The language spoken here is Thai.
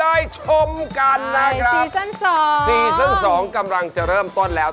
อักษีสันสองกำลังจะเริ่มต้นแล้ว